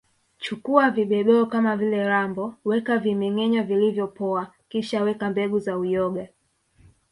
Chukua vibebeo kama vile rambo weka vimengenywa vilivyopoa kisha weka mbegu za uyoga